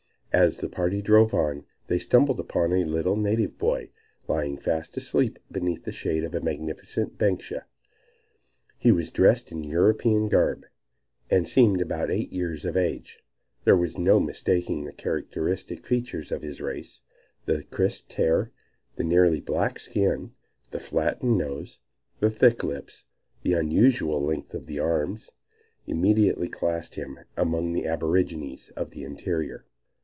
As the party drove on they stumbled upon a little native boy lying fast asleep beneath the shade of a magnificent banksia. He was dressed in European garb, and seemed about eight years of age. There was no mistaking the characteristic features of his race; the crisped hair, the nearly black skin, the flattened nose, the thick lips, the unusual length of the arms, immediately classed him among the aborigines of the interior.